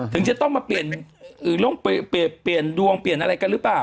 ถึงจะต้องมาเปลี่ยนเปลี่ยนดวงเปลี่ยนอะไรกันหรือเปล่า